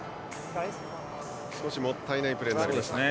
少しもったいないプレーになりました。